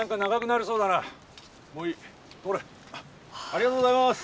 ありがとうございます。